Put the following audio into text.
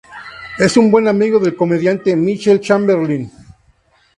Es muy buen amigo del comediante Michael Chamberlin.